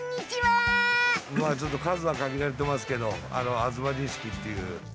まあちょっと数は限られていますけど東錦っていう。